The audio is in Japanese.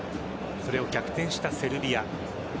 それを逆転したセルビア。